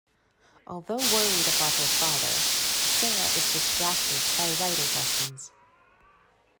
Although worried about her father, Sara is distracted by riding lessons.